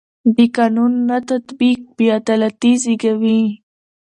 د قانون نه تطبیق بې عدالتي زېږوي